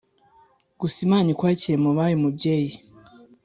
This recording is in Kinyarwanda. Gusa imana ikwakire mubayo mubyeyi